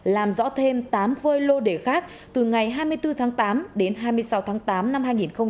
làm rõ thêm tám vơi lô đề khác từ ngày hai mươi bốn tháng tám đến hai mươi sáu tháng tám năm hai nghìn hai mươi ba